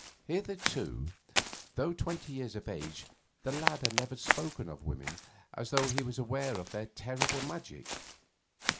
Hitherto, though twenty years of age, the lad had never spoken of women as though he was aware of their terrible magic.